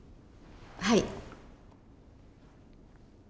はい。